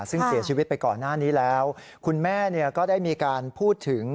ซึ่งเสียชีวิตไปก่อนหน้านี้แล้วคุณแม่เนี่ยก็ได้มีการพูดถึง